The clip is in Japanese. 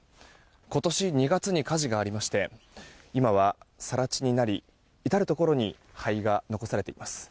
今年２月に火事がありまして今は更地になり至るところに灰が残されています。